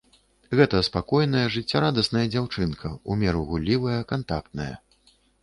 Гэта спакойная жыццярадасная дзяўчынка, у меру гуллівая, кантактная.